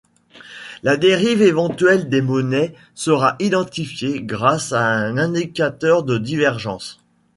La dérive éventuelle des monnaies sera identifiée grâce à un indicateur de divergence.